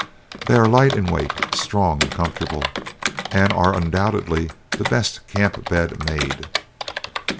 They are light in weight, strong, and comfortable, and are undoubtedly the best camp bed made.